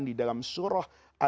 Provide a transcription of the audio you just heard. di dalam surah